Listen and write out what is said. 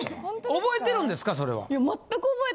覚えてるんですかそれは？え！？